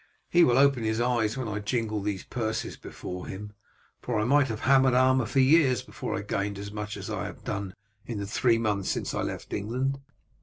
He will open his eyes when I jingle these purses before him, for I might have hammered armour for years before I gained as much as I have done in the three months since I left England.